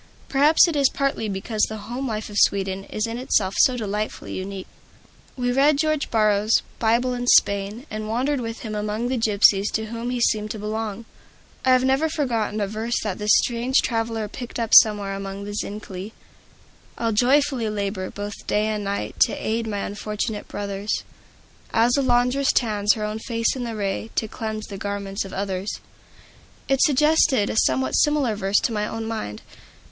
Perhaps it is partly because the home life of Sweden is in itself so delightfully unique. We read George Borrow's "Bible in Spain," and wandered with him among the gypsies to whom he seemed to belong. I have never forgotten a verse that this strange traveler picked up somewhere among the Zincali: "I'll joyfully labor, both night and day, To aid my unfortunate brothers; As a laundress tans her own face in the ray To cleanse the garments of others." It suggested a somewhat similar verse to my own mind.